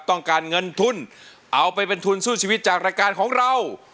ต้องการเงินทุนเอาไปเป็นทุนสู้ชีวิตจากรายการของเรา